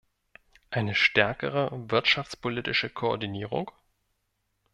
Eine stärkere wirtschaftspolitische Koordinierung?